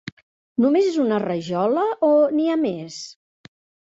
Només és una rajola o n'hi ha més?